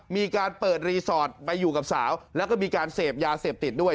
มีการเปิดรีสอร์ทไปอยู่กับสาวแล้วก็มีการเสพยาเสพติดด้วย